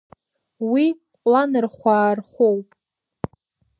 Уи ҟәланырхәаа рхәоуп!